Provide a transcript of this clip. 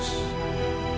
siapa yang akan menang